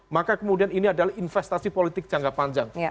maka kemudian ini adalah investasi politik jangka panjang